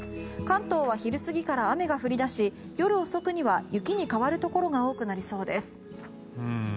関東は昼過ぎから雨が降り出し夜遅くには雪に変わるところが多くなりそうです。